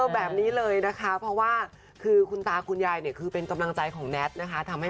แบบนี้เลยนะคะเพราะว่าคุณตาคุณยายเป็นกำลังใจของแนทนะคะ